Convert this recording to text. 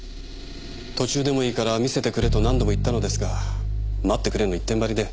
途中でもいいから見せてくれと何度も言ったのですが待ってくれの一点張りで。